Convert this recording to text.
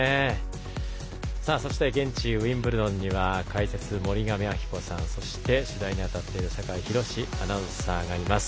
そして、現地ウィンブルドンには解説、森上亜希子さんそして取材に当たっている酒井博司アナウンサーがいます。